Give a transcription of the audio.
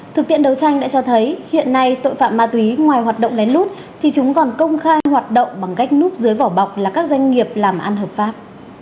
thực tiện đấu tranh đã cho thấy hiện nay tội phạm ma túy ngoài hoạt động lén lút thì chúng còn công khai hoạt động bằng cách núp dưới vỏ bọc là các doanh nghiệp làm ăn hợp pháp